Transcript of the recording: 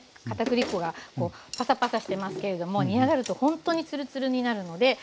かたくり粉がパサパサしてますけれども煮上がるとほんとにつるつるになるので。